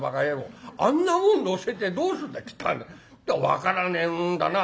分からねえもんだな」。